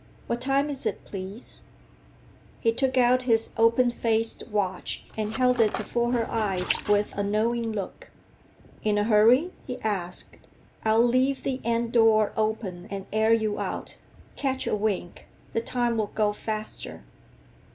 What time is it, please?" He took out his open faced watch and held it before her eyes with a knowing look. "In a hurry?" he asked. "I'll leave the end door open and air you out. Catch a wink; the time'll go faster."